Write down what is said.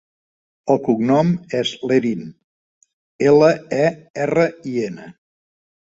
El cognom és Lerin: ela, e, erra, i, ena.